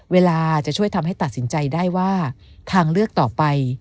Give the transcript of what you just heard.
เวลาจะช่วยทำให้ตัดสินใจได้ว่าทางเลือกต่อไป